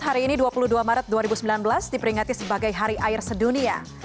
hari ini dua puluh dua maret dua ribu sembilan belas diperingati sebagai hari air sedunia